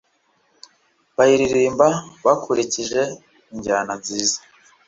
bayiririmba bakurikije injyana nziza